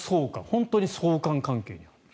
本当に相関関係。